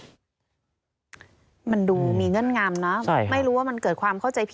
ส่วนรถที่นายสอนชัยขับอยู่ระหว่างการรอให้ตำรวจสอบ